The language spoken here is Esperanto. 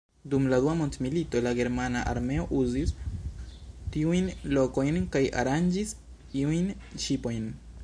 Dum la dua mondmilito, la germana armeo uzis tiujn lokojn kaj aranĝis iujn ŝipojn.